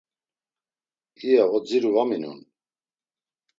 İya odziru va minon.